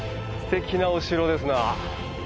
すてきなお城ですな。